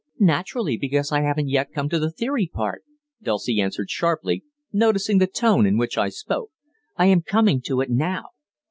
"Naturally, because I haven't yet come to the theory part," Dulcie answered sharply, noticing the tone in which I spoke. "I am coming to it now.